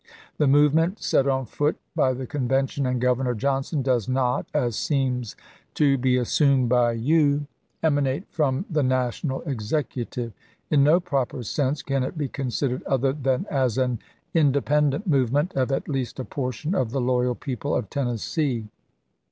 The movement set on foot by the Convention and Gov ernor Johnson does not, as seems to be assumed by you, LINCOLN REELECTED 359 emanate from the National Executive. In no proper sense chap. xvi. can it be considered other than as an independent movement of at least a portion of the loyal people of Tennessee.